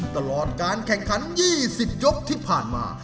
ตลอดการแข่งขัน๒๐ยกที่ผ่านมา